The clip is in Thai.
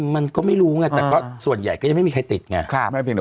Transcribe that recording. มันก็ไม่รู้ไงแต่ก็ส่วนใหญ่ก็ยังไม่มีใครติดไง